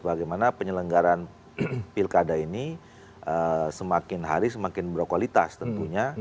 bagaimana penyelenggaran pilkada ini semakin hari semakin berkualitas tentunya